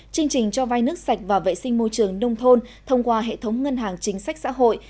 chương trình cho vai nước sạch và vệ sinh môi trường nông thôn thông qua hệ thống ngân hàng chính sách xã hội